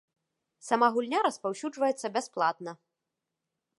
Сама гульня распаўсюджваецца бясплатна.